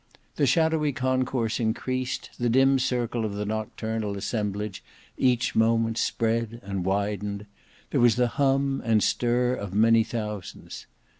The shadowy concourse increased, the dim circle of the nocturnal assemblage each moment spread and widened; there was the hum and stir of many thousands.